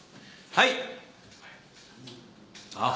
はい。